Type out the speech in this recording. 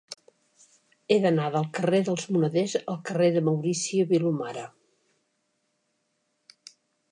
He d'anar del carrer dels Moneders al carrer de Maurici Vilomara.